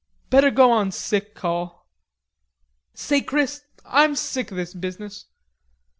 "Better go on sick call.... Say, Chris, I'm sick of this business....